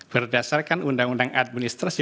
berdasarkan undang undang administrasi